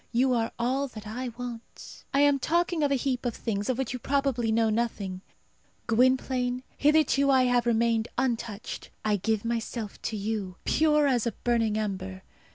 You are all that I want. I am talking of a heap of things of which you probably know nothing. Gwynplaine, hitherto I have remained untouched; I give myself to you, pure as a burning ember.